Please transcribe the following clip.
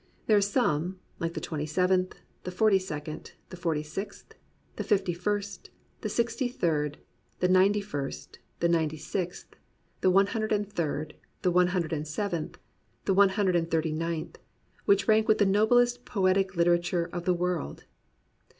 There are some, like the Twenty seventh, the Forty second, the Forty sixth, the Fifty first, the Sixty third, the Ninety first, the Ninety sixth, the One Hundred and Third, the One Hundred and Seventh, the One Hundred and Thirty ninth, which rank with the noblest poetic hterature of the world.